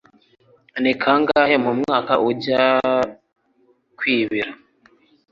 Ni kangahe mu mwaka ujya kwibira?